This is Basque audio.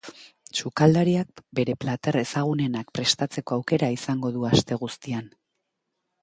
Sukaldariak bere plater ezagunenak prestatzeko aukera izango du aste guztian.